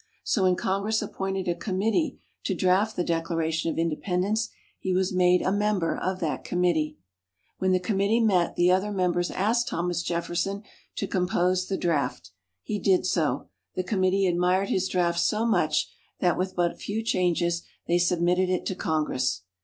So when Congress appointed a Committee to draft the Declaration of Independence, he was made a member of that Committee. When the Committee met, the other members asked Thomas Jefferson to compose the draft. He did so. The Committee admired his draft so much, that with but few changes, they submitted it to Congress.